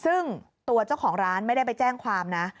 ซึ่งตัวเจ้าของร้านไม่ได้ไปแจ้งความนะ